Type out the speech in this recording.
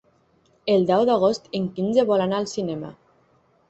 El deu d'agost en Quirze vol anar al cinema.